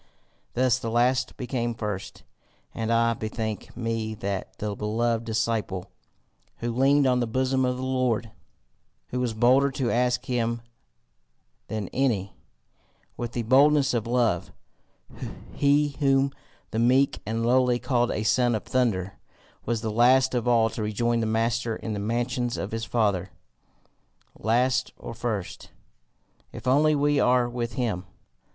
Thus the last became first. And I bethink me that the beloved disciple, who leaned on the bosom of the Lord, who was bolder to ask him than any with the boldness of love, he whom the meek and lowly called a Son of Thunder, was the last of all to rejoin the master in the mansions of his Father. Last or first if only we are with him!